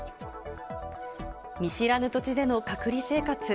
見知らぬ土地での隔離生活。